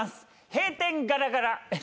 閉店ガラガラ。